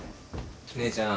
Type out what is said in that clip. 姉ちゃん。